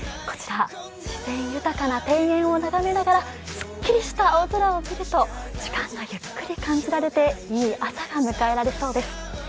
こちら自然豊かな庭園を眺めながらすっきりした青空を見ると、時間がゆっくり感じられていい朝が迎えられそうです。